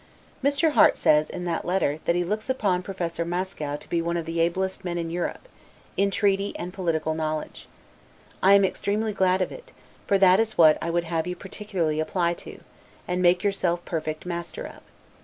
Mr. Harte says, in that letter, that he looks upon Professor Mascow to be one of the ablest men in Europe, in treaty and political knowledge. I am extremely glad of it; for that is what I would have you particularly apply to, and make yourself perfect master of.